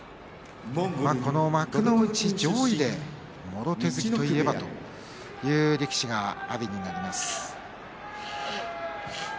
この幕内上位でもろ手突きといえばという力士が阿炎になります。